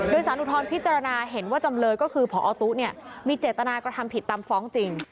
โดยสารอุทธรณพิจารณาเห็นว่าจำเลยก็คือพอตุ๊มีเจตนากระทำผิดตามฟ้องจริง